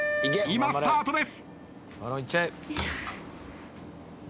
今スタートです。